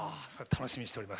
楽しみにしております。